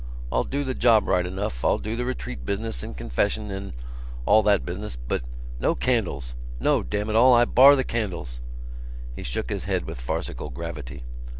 I'll do the job right enough. I'll do the retreat business and confession, and ... all that business. But ... no candles! No, damn it all, I bar the candles!" He shook his head with farcical gravity.